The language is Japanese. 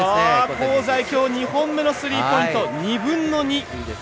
香西、きょう２本目のスリーポイント、２分の２。